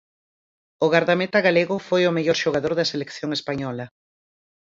O gardameta galego foi o mellor xogador da selección española.